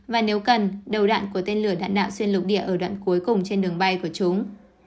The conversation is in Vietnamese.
và nếu cần đầu đạn của tên lửa đạn nạ xuyên lục địa ở đoạn cuối cùng trên đường bay của chúng